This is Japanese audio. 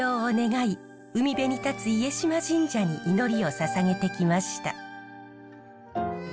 海辺に建つ家島神社に祈りをささげてきました。